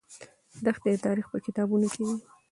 دښتې د تاریخ په کتابونو کې دي.